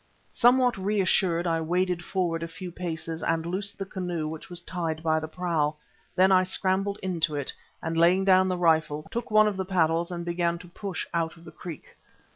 Somewhat reassured I waded forward a few paces and loosed the canoe which was tied by the prow. Then I scrambled into it, and laying down the rifle, took one of the paddles and began to push out of the creek.